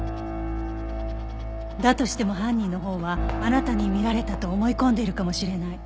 だとしても犯人のほうはあなたに見られたと思い込んでいるかもしれない。